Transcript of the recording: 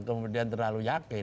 kemudian terlalu yakin